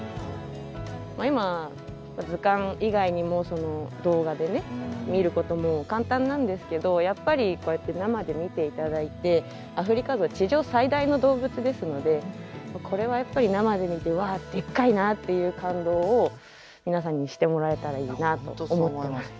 今図鑑以外にも動画で見ることも簡単なんですけどやっぱりこうやって生で見て頂いてアフリカゾウ地上最大の動物ですのでこれはやっぱり生で見て「わあっでっかいな」っていう感動を皆さんにしてもらえたらいいなと思ってます。